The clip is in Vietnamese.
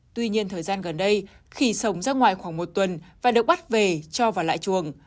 tuy nhiên thời gian gần đây khỉ sống ra ngoài khoảng một tuần và được bắt về cho và lại chuồng